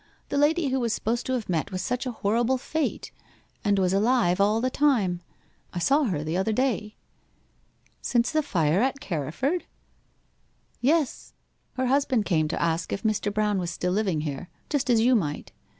'The lady who was supposed to have met with such a horrible fate, and was alive all the time. I saw her the other day.' 'Since the fire at Carriford?' 'Yes. Her husband came to ask if Mr. Brown was still living here just as you might.